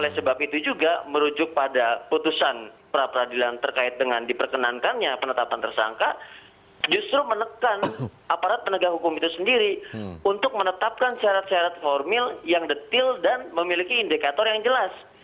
oleh sebab itu juga merujuk pada putusan pra peradilan terkait dengan diperkenankannya penetapan tersangka justru menekan aparat penegak hukum itu sendiri untuk menetapkan syarat syarat formil yang detil dan memiliki indikator yang jelas